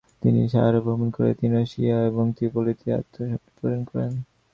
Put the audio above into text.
তিনি সাহারা ভ্রমণ করে তিউনিসিয়া এবং ত্রিপলিতে আত্মশুদ্ধি প্রচার করেন।